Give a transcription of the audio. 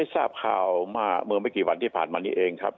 ทราบข่าวเมื่อไม่กี่วันที่ผ่านมานี้เองครับ